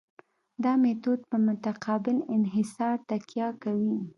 دا میتود په متقابل انحصار تکیه کوي